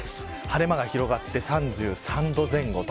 晴れ間が広がって３３度前後。